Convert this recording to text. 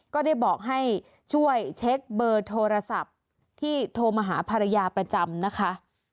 ก็ได้บอกให้ช่วยเช็คเบอร์โทรศัพท์ที่โทรมาหาภรรยาประจำนะคะ